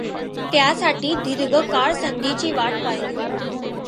त्यासाठी दीर्घकाळ संधीची वाट पाहिली.